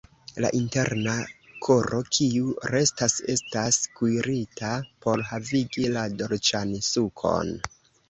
La interna koro kiu restas estas kuirita por havigi la dolĉan sukon.